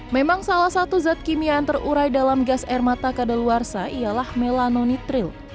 memang salah satu zat kimia yang terurai dalam gas air mata kadaluarsa ialah melanonitril